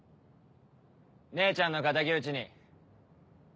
姉ちゃんの敵討ちに。